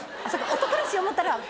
男らしい思ったら。